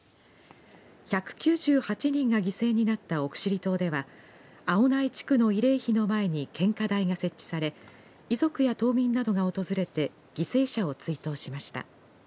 １９８人が犠牲になった奥尻島では青苗地区の慰霊碑の前に献花台が設置され遺族や島民などが訪れて犠牲者を追悼しました。